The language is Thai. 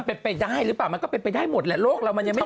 เป็นไปได้หรือเปล่ามันก็เป็นไปได้หมดแหละโลกเรามันยังไม่